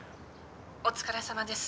お疲れさまです。